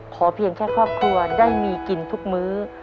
เพียงแค่ครอบครัวได้มีกินทุกมื้อ